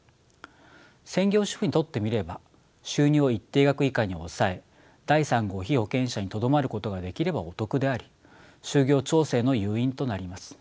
専業主婦にとってみれば収入を一定額以下に抑え第３号被保険者にとどまることができればお得であり就業調整の誘因となります。